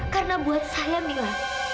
karena buat saya camilla